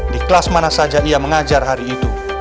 di kelas mana saja ia mengajar hari itu